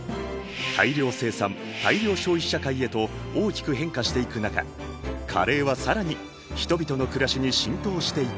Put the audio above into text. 大量生産大量消費社会へと大きく変化していく中カレーは更に人々の暮らしに浸透していった。